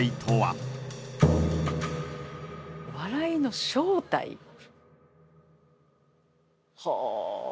笑いの正体。はあ。